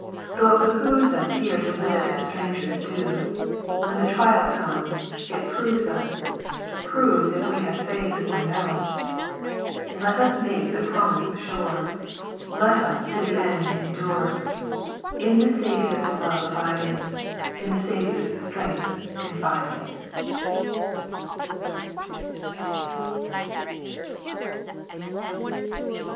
Then it behoves us Here to live as strangers do ; When the trial comes, it proves us, Proves if we have faith or no ; Let us make the promise sure. Let us to the end endure, In the Saviour's love abiding, In the Saviour's strength confiding.